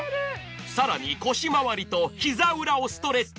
更に腰まわりと、膝裏をストレッチ。